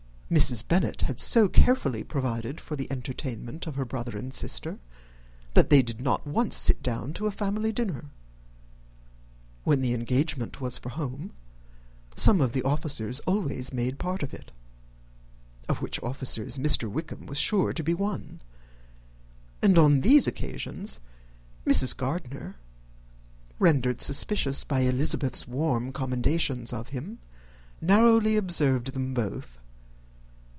Mrs. Bennet had so carefully provided for the entertainment of her brother and sister, that they did not once sit down to a family dinner. When the engagement was for home, some of the officers always made part of it, of which officers Mr. Wickham was sure to be one; and on these occasions Mrs. Gardiner, rendered suspicious by Elizabeth's warm commendation of him, narrowly observed them both.